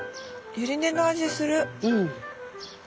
ユリ根の味する。